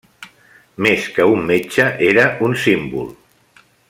Més que un metge, era un símbol.